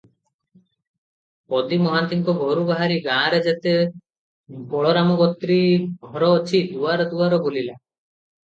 ପଦୀ ମହାନ୍ତିଙ୍କ ଘରୁ ବାହାରି ଗାଁରେ ଯେତେ ବଳରାମଗୋତ୍ରୀ ଘର ଅଛି, ଦୁଆର ଦୁଆର ବୁଲିଲା ।